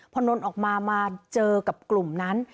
พอนนท์ออกมามาเจอกับกลุ่มนั้น